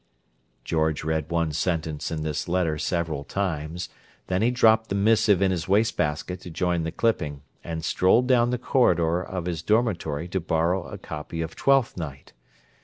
George read one sentence in this letter several times. Then he dropped the missive in his wastebasket to join the clipping, and strolled down the corridor of his dormitory to borrow a copy of "Twelfth Night."